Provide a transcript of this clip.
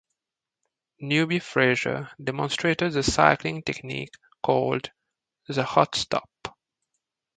Newby-Fraser demonstrated the cycling technique called The Hot Stop.